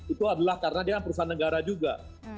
itu adalah karena dia perusahaan negara juga